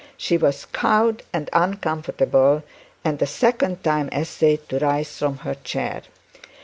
She was cowed and uncomfortable, and a second time essayed to rise from her chair.